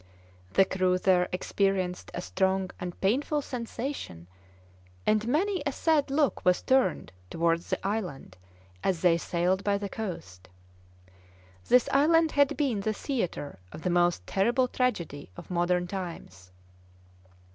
The crew there experienced a strong and painful sensation, and many a sad look was turned towards the island as they sailed by the coast. This island had been the theatre of the most terrible tragedy of modern times.